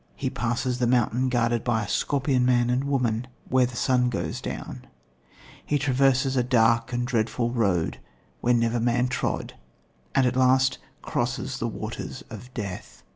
He passes the mountain guarded by a scorpion man and woman, where the sun goes down; he traverses a dark and dreadful road, where never man trod, and at last crosses the waters of death.